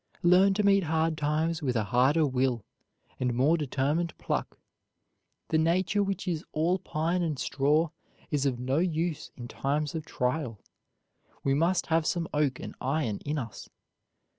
Learn to meet hard times with a harder will, and more determined pluck. The nature which is all pine and straw is of no use in times of trial, we must have some oak and iron in us.